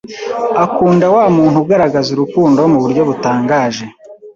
Akunda wa muntu ugaragaza urukundo mu buryo butangaje.